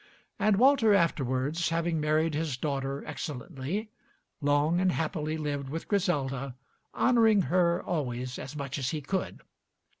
And Walter afterwards, having married his daughter excellently, long and happily lived with Griselda, honoring her always as much as he could.